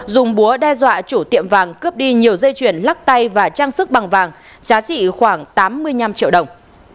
dùng búa đe dọa chủ tiệm vàng cướp đi nhiều dây chuyền lắc tay và trang sức bằng vàng giá trị khoảng tám mươi năm triệu đồng